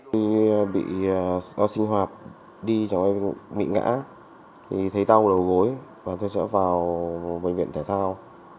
tôi bị đau sinh hoạt đi bị ngã thì thấy đau đầu gối và tôi trở vào bệnh viện thể thao